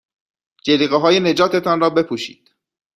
جلیقههای نجات تان را بپوشید.